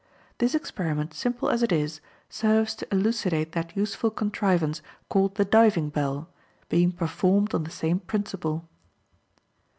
This experiment, simple as it is, serves to elucidate that useful contrivance called the diving bell, being performed on the same principle.